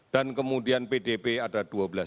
dan kemudian pdb ada dua belas